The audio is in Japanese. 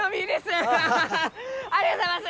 ありがとうございます！